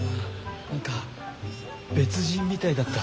何か別人みたいだった。